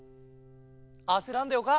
あせらんでよか。